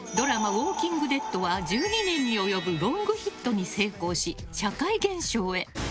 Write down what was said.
「ウォーキング・デッド」は１２年に及ぶロングヒットに成功し社会現象へ。